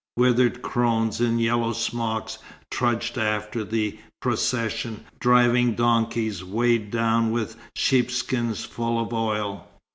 Withered crones in yellow smocks trudged after the procession, driving donkeys weighed down with sheepskins full of oil.